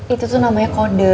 itu tuh namanya kode